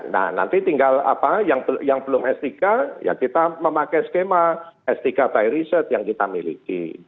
nah nanti tinggal apa yang belum s tiga ya kita memakai skema s tiga by riset yang kita miliki